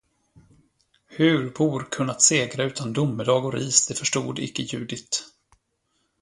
Hur mor kunnat segra utan domedag och ris, det förstod icke Judith.